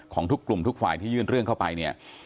ของทุกกลุ่มทุกฝ่ายที่ยื่นเรื่องเข้าไปเนี่ย